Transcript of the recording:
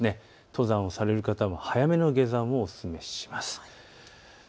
登山をされる方は早めの下山をお勧めします。